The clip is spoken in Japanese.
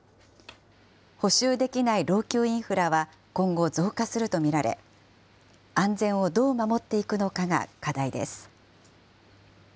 補修できない老朽インフラは今後、増加すると見られ、安全をどう守っていくのかが課題です。